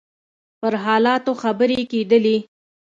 پر حالاتو خبرې کېدلې.